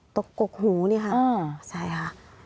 กกหูนี่ค่ะใช่ค่ะ